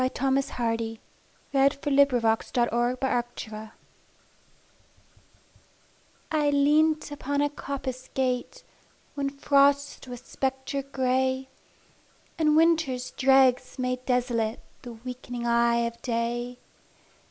Thomas Hardy The Darkling Thrush I LEANT upon a coppice gate, When Frost was spectre gray, And Winter's dregs made desolate The weakening eye of day.